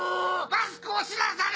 マスクをしなされ！